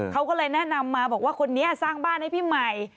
เขาก็เลยแนะนำมาบอกว่าคนนี้สร้างบ้านให้พี่ใหม่